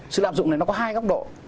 sự lạm dụng này nó có hai góc độ